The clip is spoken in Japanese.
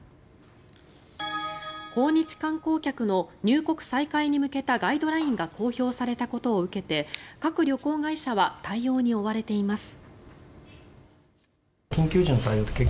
訪日観光客の入国再開に向けたガイドラインが公表されたことを受けて各旅行会社は対応に追われています。